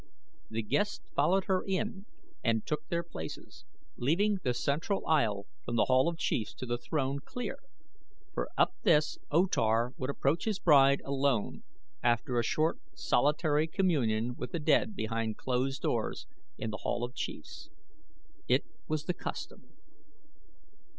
The guests followed her in and took their places, leaving the central aisle from The Hall of Chiefs to the throne clear, for up this O Tar would approach his bride alone after a short solitary communion with the dead behind closed doors in The Hall of Chiefs. It was the custom.